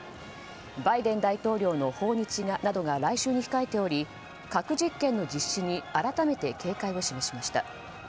バイデン大統領の訪日などが来週に控えており核実験の実施に改めて警戒を示しました。